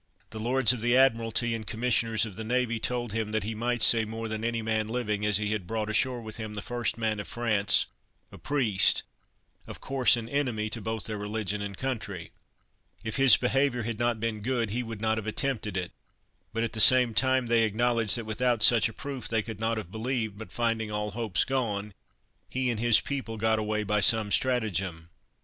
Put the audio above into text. The Lords of the Admiralty and Commissioners of the Navy told him that he might say more than any man living, as he had brought ashore with him the first man of France, a priest, of course an enemy to both their religion and country: if his behaviour had not been good, he would not have attempted it; but at the same time, they acknowledged that without such a proof, they could not have believed, but finding all hopes gone, he and his people got away by some stratagem.